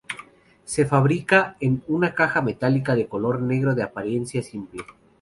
Se fabrica en una caja metálica de color negro de apariencia simple.